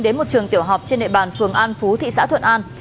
đến một trường tiểu học trên nệ bàn phường an phú thị xã thuận an